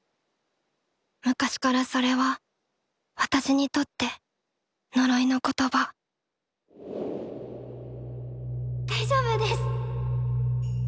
昔からそれは私にとって呪いの言葉大丈夫です。